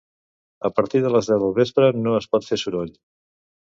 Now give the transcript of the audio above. A partir de les deu del vespre no es pot fer soroll